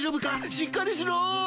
しっかりしろ。